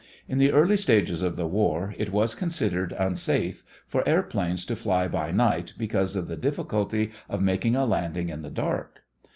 In the early stages of the war, it was considered unsafe for airplanes to fly by night because of the difficulty of making a landing in the dark.